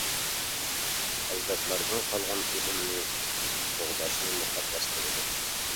ئەجدادلاردىن قالغان ئۇدۇمنى قوغداشنى مۇقەددەس بىلىدۇ.